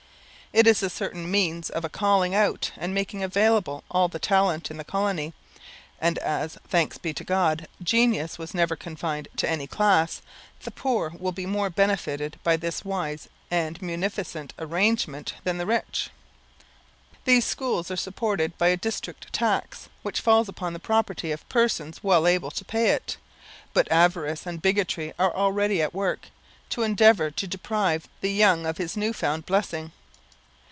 It is a certain means of a calling out and making available all the talent in the colony; and as, thanks be to God, genius never was confined to any class, the poor will be more benefited by this wise and munificent arrangement than the rich. These schools are supported by a district tax, which falls upon the property of persons well able to pay it; but avarice and bigotry are already at work, to endeavour to deprive the young of his new found blessing.